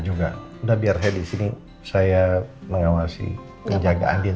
juga berhenti disini saya mengawasi penjagaan